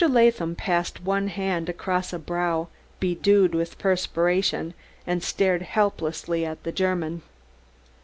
Latham passed one hand across a brow bedewed with perspiration, and stared helplessly at the German.